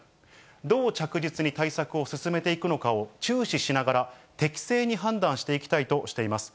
どう着実に対策を進めていくのかを注視しながら、適正に判断していきたいとしています。